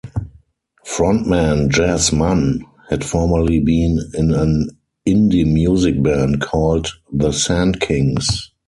Frontman Jas Mann had formerly been in an indie music band, called The Sandkings.